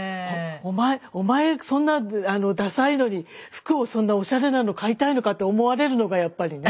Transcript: お前そんなダサいのに服をそんなおしゃれなの買いたいのかって思われるのがやっぱりね。